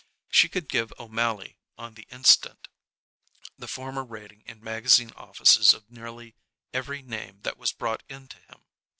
She could give O'Mally on the instant the former rating in magazine offices of nearly every name that was brought in to him.